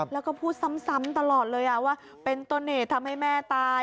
แล้วก็พูดซ้ำตลอดเลยว่าเป็นต้นเหตุทำให้แม่ตาย